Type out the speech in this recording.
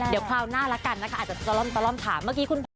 เดี๋ยวคราวหน้าละกันนะคะอาจจะตลอดถาม